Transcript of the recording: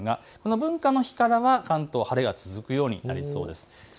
文化の日からは関東、晴れが続くようになりそうです。